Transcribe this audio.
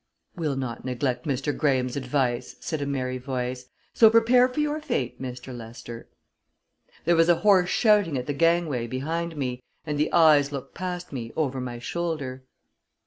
"We'll not neglect Mr. Graham's advice," said a merry voice. "So prepare for your fate, Mr. Lester!" There was a hoarse shouting at the gang way behind me, and the eyes looked past me, over my shoulder.